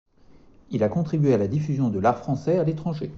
Il a contribué à la diffusion de l'Art français à l'étranger.